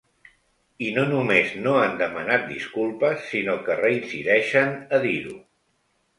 I no només no han demanat disculpes, sinó que reincideixen a dir-ho.